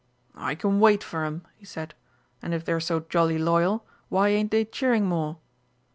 "I can wait for 'em," he said; "and if they're so jolly loyal, why ain't they cheering more?"